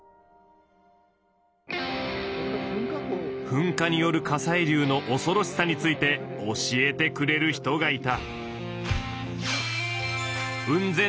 噴火による火砕流のおそろしさについて教えてくれる人がいた。